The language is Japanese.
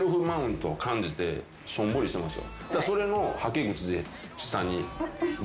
しょんぼりしてますよ。